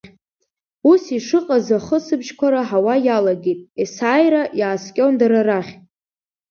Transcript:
Ус ишыҟаз ахысыбжьқәа раҳауа иалагеит, есааира иааскьон дара рахь.